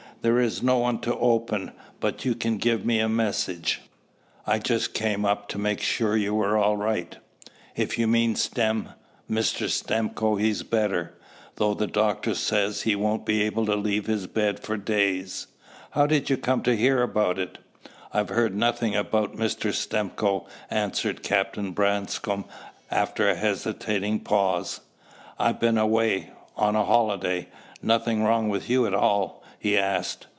There is no one to open, but you can give me a message." "I just came up to make sure you were all right." "If you mean Stim Mr. Stimcoe, he's better, though the doctor says he won't be able to leave his bed for days. How did you come to hear about it?" "I've heard nothing about Mr. Stimcoe," answered Captain Branscome, after a hesitating pause. "I've been away on a holiday. Nothing wrong with you at all?" he asked.